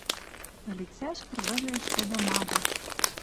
Ӧлицӓш кыргыжеш тӹдӹ мадаш